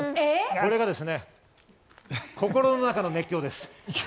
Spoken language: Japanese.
これが心の中の熱狂です。